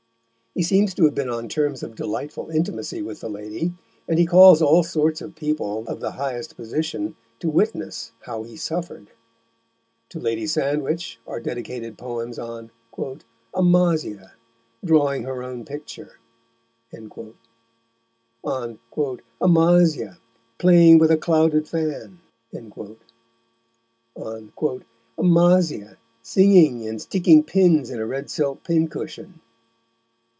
He seems to have been on terms of delightful intimacy with the lady, and he calls all sorts of people of the highest position to witness how he suffered. To Lady Sandwich are dedicated poems on "Amasia, drawing her own Picture," on "Amasia, playing with a Clouded Fan," on "Amasia, singing, and sticking pins in a Red Silk Pincushion."